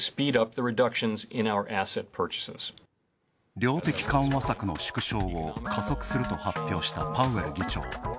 量的緩和策の縮小を加速すると発表したパウエル議長。